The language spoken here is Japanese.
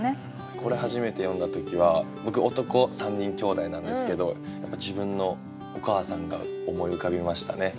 これ初めて読んだ時は僕男３人兄弟なんですけどやっぱ自分のお母さんが思い浮かびましたね。